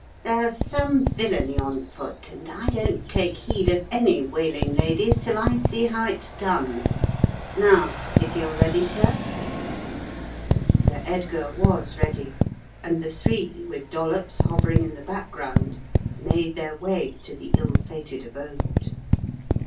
"There's some villainy on foot and I don't take heed of any wailing ladies till I see how it's done. Now if you're ready, sir." Sir Edgar was ready and the three, with Dollops hovering in the background, made their way to the ill fated abode.